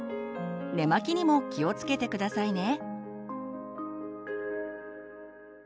寝巻きにも気をつけて下さいね。